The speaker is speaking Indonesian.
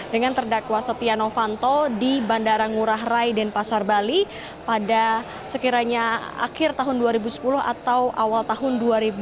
dengan terdakwa setia novanto di bandara ngurah rai dan pasar bali pada sekiranya akhir tahun dua ribu sepuluh atau awal tahun dua ribu dua puluh